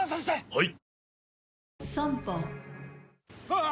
はい。